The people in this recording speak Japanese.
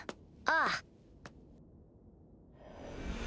ああ。